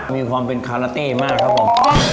มีความเป็นคาราเต้มากครับผม